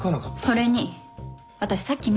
それに私さっき見たの。